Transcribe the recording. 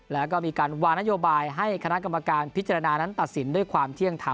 แล้วก็มีการวางนโยบายให้คณะกรรมการพิจารณานั้นตัดสินด้วยความเที่ยงทำ